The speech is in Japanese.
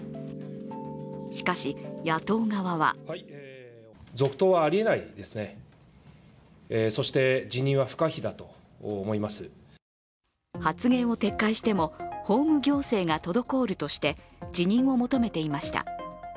しかし、野党側は発言を撤回しても法務行政が滞るとして辞任を求めていました。